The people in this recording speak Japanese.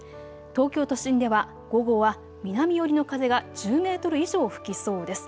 東京都心では午後は南寄りの風が１０メートル以上吹きそうです。